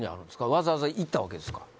わざわざ行ったわけですか？